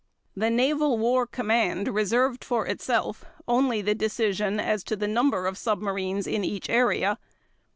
The Naval War Command reserved for itself only the decision as to the number of submarines in each area.